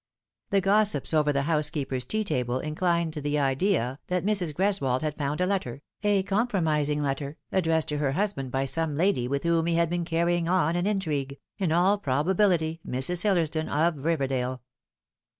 The gossips over the housekeeper's tea table inclined to the idea that Mrs. Greswold had found a letter a compromising letter addressed to her husband by some lady with whom he had been carrying on an intrigue, in all probability Mrs. Hillersdon of Riverdale.